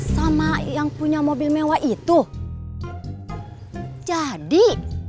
sama yang punya mobil mewah itu jadi